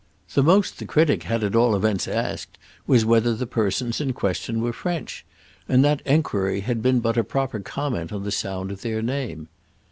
The most the critic had at all events asked was whether the persons in question were French; and that enquiry had been but a proper comment on the sound of their name.